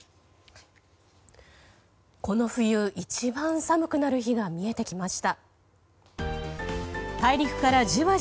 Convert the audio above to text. この冬一番寒くなる日が見えてきました。